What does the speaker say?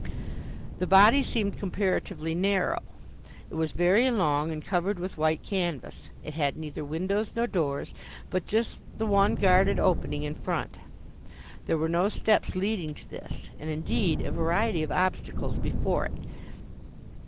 The body seemed comparatively narrow. It was very long, and covered with white canvas. It had neither windows nor doors, but just the one guarded opening in front. There were no steps leading to this, and, indeed, a variety of obstacles before it.